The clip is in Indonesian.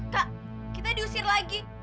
kak kita diusir lagi